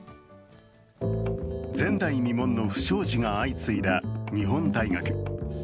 前代未聞の不祥事が相次いだ日本大学。